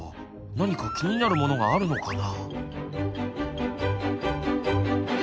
何か気になるものがあるのかな？